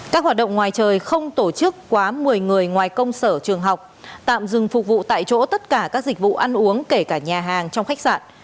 các hoạt động ngoài trời không tổ chức quá một mươi người ngoài công sở trường học tạm dừng phục vụ tại chỗ tất cả các dịch vụ ăn uống kể cả nhà hàng trong khách sạn